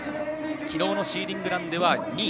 昨日のシーディングランでは２位。